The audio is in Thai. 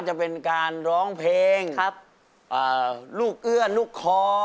จะเป็นการร้องเพลงลูกเอื้อลูกคอ